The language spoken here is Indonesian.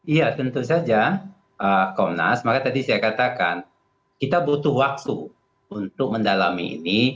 iya tentu saja komnas maka tadi saya katakan kita butuh waktu untuk mendalami ini